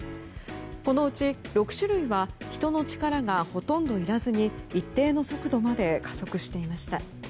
このうち６種類は人の力がほとんどいらずに一定の速度まで加速していました。